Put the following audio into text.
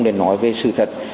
để nói về sự thật